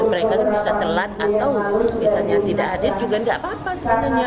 mereka bisa telat atau misalnya tidak hadir juga nggak apa apa sebenarnya